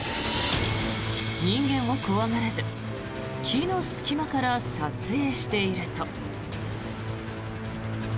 人間を怖がらず木の隙間から撮影していると。